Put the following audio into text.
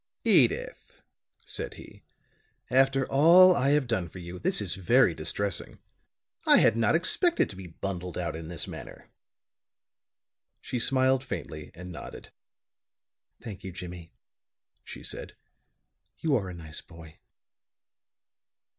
"Edyth," said he, "after all I have done for you, this is very distressing. I had not expected to be bundled out in this manner." She smiled faintly, and nodded. "Thank you, Jimmie," she said. "You are a nice boy."